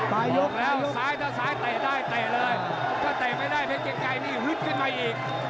บอกแล้วซ้ายเตะได้ซ้ายเตะเลยถ้าเตะไม่ได้เพราะเจียงใกล้นี้หึดขึ้นมาอีก